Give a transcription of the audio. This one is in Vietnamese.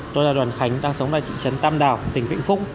tôi là đoàn khánh đang sống tại thị trấn tam đảo tỉnh vĩnh phúc